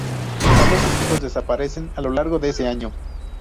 Ambos equipos desaparecen a lo largo de ese año.